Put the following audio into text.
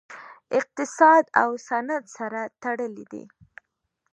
اقتصاد او صنعت سره تړلي دي